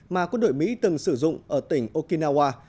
mà quân đội mỹ từng sử dụng ở tỉnh okinawa